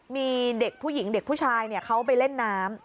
มีเด็กผู้หญิงเด็กผู้ชายเขาไปเล่นน้ำ